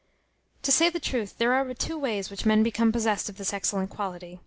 To say the truth, there are but two ways by which men become possessed of this excellent quality.